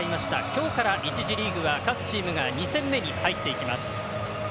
今日から１次リーグは各チームが２戦目に入っていきます。